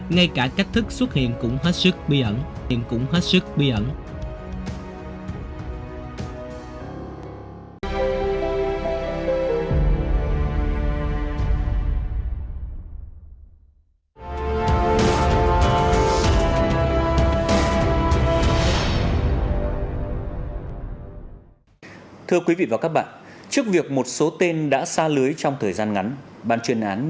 ngay cả cách thức xuất hiện cũng hết sức bí ẩn